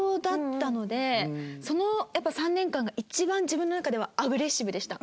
その３年間が一番自分の中ではアグレッシブでした。